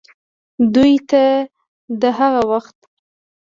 دوې ته دَ هغه وخت